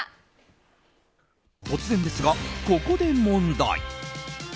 突然ですが、ここで問題。